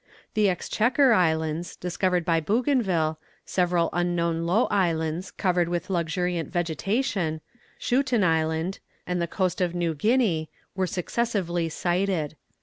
The Exchequer Islands, discovered by Bougainville, several unknown low islands, covered with luxuriant vegetation, Schouten Island, and the coast of New Guinea, were successively sighted.